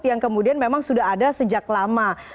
yang kemudian memang sudah ada sejak lama